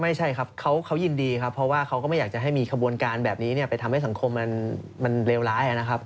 ไม่ใช่ครับเขายินดีครับเพราะว่าเขาก็ไม่อยากจะให้มีขบวนการแบบนี้ไปทำให้สังคมมันเลวร้ายนะครับ